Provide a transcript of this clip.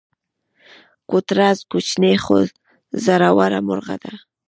کوتره کوچنۍ خو زړوره مرغه ده.